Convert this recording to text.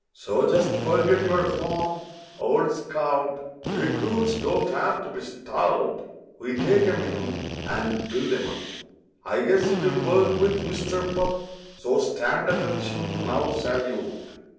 So just forget your form, old scout; Recruits don't have to be stout; We take 'em in and build 'em up— I guess 'twould work with Mister Pup— So stand ATTENTION, now—Salute!